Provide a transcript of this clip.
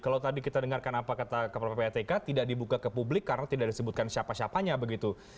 kalau tadi kita dengarkan apa kata kepala ppatk tidak dibuka ke publik karena tidak disebutkan siapa siapanya begitu